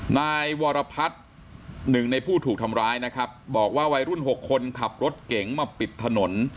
นายวรพัฒน์หนึ่งในผู้ถูกทำร้ายนะครับบอกว่าวัยรุ่น๖คนขับรถเก๋งมาปิดถนน